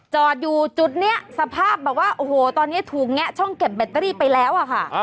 จอดอยู่จุดนี้สภาพแบบว่าโอ้โหตอนนี้ถูกแงะช่องเก็บแบตเตอรี่ไปแล้วอะค่ะ